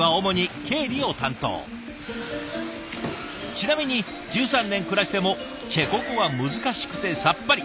ちなみに１３年暮らしてもチェコ語は難しくてさっぱり。